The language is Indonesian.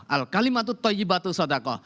al kalimatut toyibatu sodako